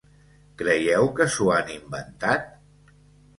Creieu que s’ho han inventat?